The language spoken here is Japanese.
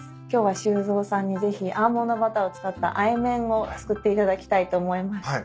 今日は修造さんにぜひアーモンドバターを使ったあえ麺を作っていただきたいと思います。